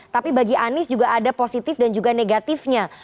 tapi bagi anies juga ada positif dan juga negatifnya